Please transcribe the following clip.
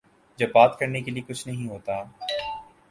جب بات کرنے کیلئے کچھ نہیں ہوتا۔